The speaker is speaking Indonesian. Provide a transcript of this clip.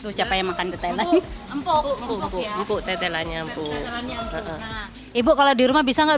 itu siapa yang makan detail lagi empuk empuk buku telanya bu ibu kalau di rumah bisa nggak